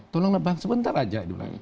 tolonglah bang sebentar aja